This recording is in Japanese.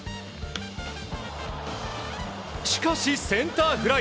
しかしセンターフライ。